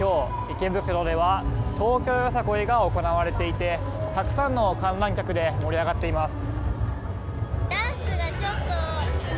池袋では東京よさこいが行われていてたくさんの観覧客で盛り上がっています。